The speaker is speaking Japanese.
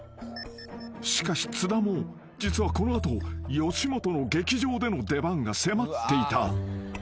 ［しかし津田も実はこの後吉本の劇場での出番が迫っていた］